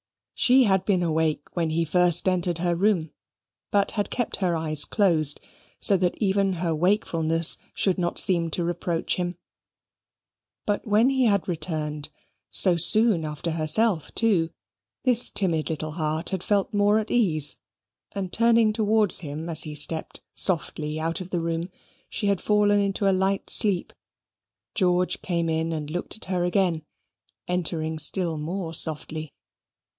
She had been awake when he first entered her room, but had kept her eyes closed, so that even her wakefulness should not seem to reproach him. But when he had returned, so soon after herself, too, this timid little heart had felt more at ease, and turning towards him as he stept softly out of the room, she had fallen into a light sleep. George came in and looked at her again, entering still more softly.